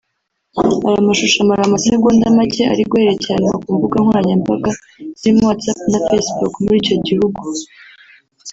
Aya mashusho amara amasegonda make ari guhererekanywa ku mbuga nkoranyambaga zirimo WhatsApp na Facebook muri icyo gihugu